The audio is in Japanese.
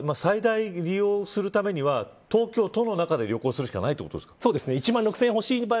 都民の人は最大利用するためには東京都の中で旅行するしかないということですか。